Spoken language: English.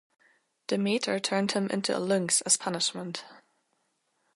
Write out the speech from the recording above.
Demeter turned him into a lynx as punishment.